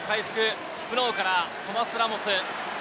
プノーからトマス・ラモス。